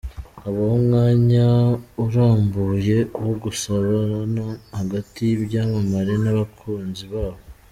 Habaho umwanya urambuye wo gusabana hagati y'ibyamamare n'abakunzi babo.